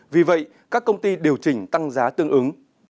vì vậy các công ty điều chỉnh tăng giá tương ứng